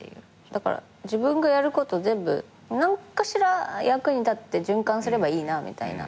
だから自分がやること全部何かしら役に立って循環すればいいなみたいな。